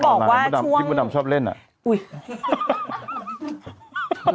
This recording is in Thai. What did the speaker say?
พี่บุดำชอบเล่นน่ะ